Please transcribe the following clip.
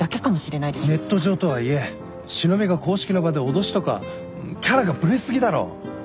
ネット上とはいえ忍びが公式の場で脅しとかキャラがブレ過ぎだろ。